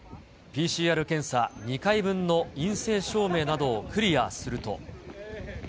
ＰＣＲ検査２回分の陰性証明などをクリアすると。